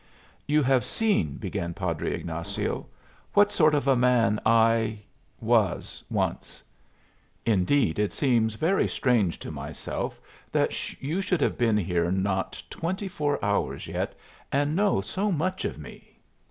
"You have seen," began Padre Ignazio, "what sort of a man I was once. Indeed, it seems very strange to myself that you should have been here not twenty four hours yet, and know so much of me.